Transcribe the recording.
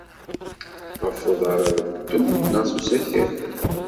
Ɣef uḍar ara teddum neɣ s usakal?